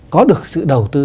có được sự đầu tư